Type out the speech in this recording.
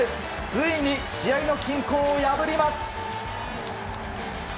ついに試合の均衡を破ります。